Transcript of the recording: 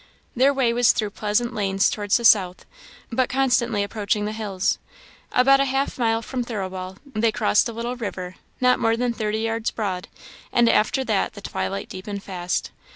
Their way was through pleasant lanes towards the south, but constantly approaching the hills. About half a mile from Thirlwall, they crossed a little river, not more than thirty yards broad, and after that the twilight deepened fast.